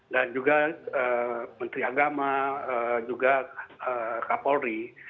dan juga menteri agama juga kapolri